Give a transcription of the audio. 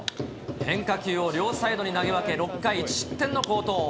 変化球を両サイドに投げ分け、６回１失点の好投。